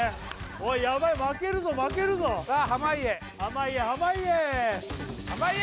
おいやばい負けるぞ負けるぞさあ濱家濱家濱家！